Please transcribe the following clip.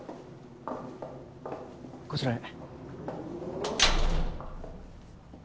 こちらへ。